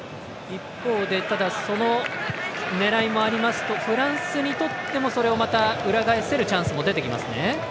一方で、ただその狙いもありますとフランスにとってもそれをまた裏返せるチャンスが出てきますね。